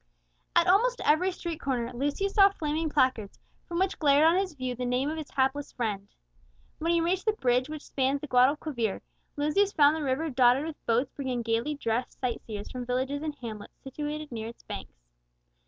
At almost every street corner Lucius saw flaming placards from which glared on his view the name of his hapless friend. When he reached the bridge which spans the Guadalquivir, Lucius found the river dotted with boats bringing gaily dressed sight seers from villages and hamlets situated near its banks.